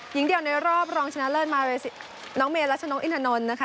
หญิงเดียวในรอบรองชนะเลิศมาเรสน้องเมรัชนกอินทานนท์นะคะ